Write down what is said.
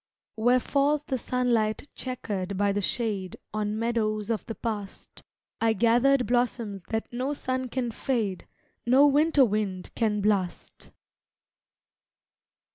Where falls the sunlight chequered by the shade On meadows of the past, I gathered blossoms that no sun can fade No winter wind can blast.